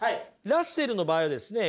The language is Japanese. ラッセルの場合ですね